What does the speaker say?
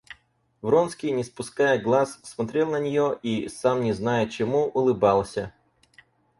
Вронский, не спуская глаз, смотрел на нее и, сам не зная чему, улыбался.